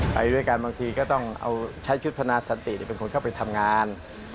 ไปด้วยกันบางทีก็ต้องเอาใช้ชุดพนาสันติเป็นคนเข้าไปทำงาน